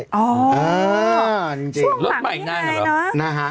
อ๋อช่วงหลังมันยังไงนะ